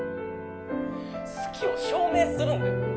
好きを証明するんだよ。